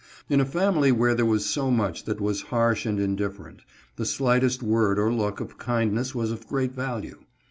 In a family where there was so much that was harsh and indifferent, the slightest word or look of kindness was of great value.